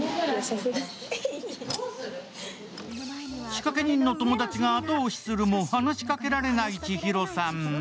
仕掛け人の友達が後押しするも話しかけられない千尋さん。